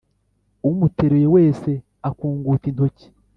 umuteruye wese akunguta intoki.